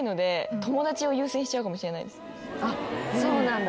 あっそうなんだ。